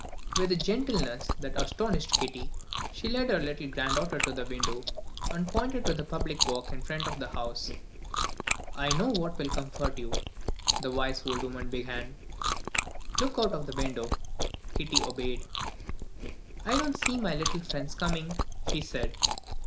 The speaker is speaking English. With a gentleness that astonished Kitty, she led her little granddaughter to the window, and pointed to the public walk in front of the house. "I know what will comfort you," the wise old woman began; "look out of the window." Kitty obeyed. "I don't see my little friends coming," she said. Mrs.